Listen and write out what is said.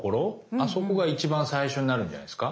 あそこが一番最初になるんじゃないですか？